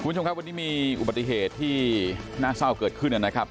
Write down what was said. คุณผู้ชมครับวันนี้มีอุบัติเหตุที่น่าเศร้าเกิดขึ้นนะครับ